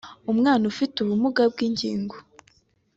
umwana ufite ubumuga bw’ingingo